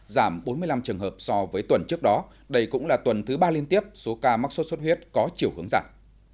giảm bốn mươi năm trường hợp so với tuần trước đó đây cũng là tuần thứ ba liên tiếp số ca mắc sốt xuất huyết có chiều hướng giảm